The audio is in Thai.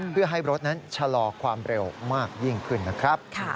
เพื่อให้รถนั้นชะลอความเร็วมากยิ่งขึ้นนะครับ